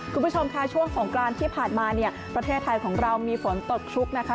คุณผู้ชมค่ะช่วงสงกรานที่ผ่านมาเนี่ยประเทศไทยของเรามีฝนตกชุกนะคะ